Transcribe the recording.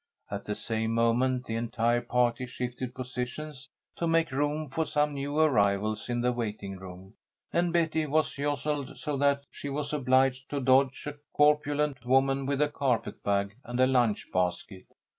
At the same moment the entire party shifted positions to make room for some new arrivals in the waiting room, and Betty was jostled so that she was obliged to dodge a corpulent woman with a carpet bag and a lunch basket.